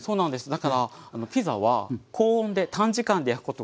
だからピザは高温で短時間で焼くことがポイントなんです。